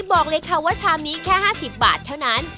บอกเลยค่ะว่าชามนี้แค่๕๐บาทเท่านั้น